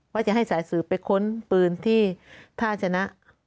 จะให้สายสืบไปค้นปืนที่ท่าชนะ